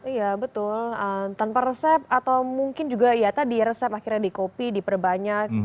iya betul tanpa resep atau mungkin juga ya tadi resep akhirnya dikopi diperbanyak